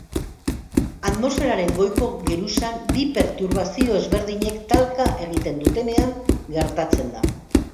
Atmosferaren goiko geruzan bi perturbazio ezberdinek talka egiten dutenean gertatzen da.